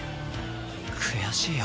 悔しいよ。